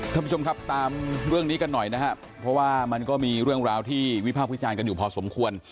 ท่านผู้ชมครับตามเรื่องนี้กันหน่อยนะครับเพราะว่ามันก็มีเรื่องราวที่วิพากษ์วิจารณ์กันอยู่พอสมควร